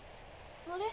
あれ？